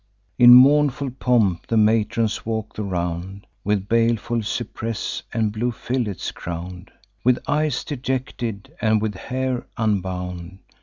In mournful pomp the matrons walk the round, With baleful cypress and blue fillets crown'd, With eyes dejected, and with hair unbound.